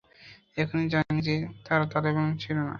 এখন জানি যে তারা তালেবান ছিলো না।